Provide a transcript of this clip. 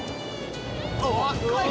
あっ若い！